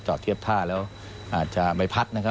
จอดเทียบผ้าแล้วอาจจะไปพัดนะครับ